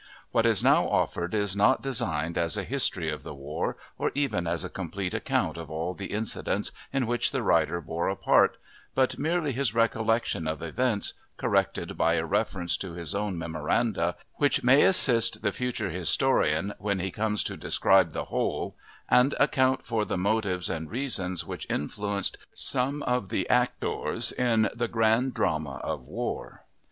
What is now offered is not designed as a history of the war, or even as a complete account of all the incidents in which the writer bore a part, but merely his recollection of events, corrected by a reference to his own memoranda, which may assist the future historian when he comes to describe the whole, and account for the motives and reasons which influenced some of the actors in the grand drama of war.